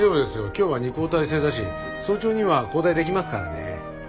今日は二交代制だし早朝には交代できますからね。